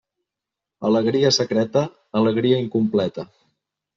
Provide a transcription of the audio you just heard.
Alegria secreta, alegria incompleta.